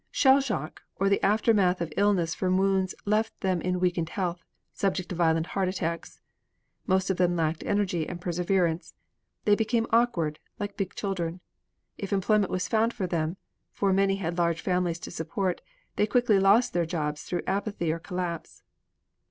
Shell shock or the aftermath of illness from wounds left them in weakened health, subject to violent heart attacks. Most of them lacked energy and perseverance. They became awkward, like big children. If employment was found for them for many had large families to support they quickly lost their jobs through apathy or collapse.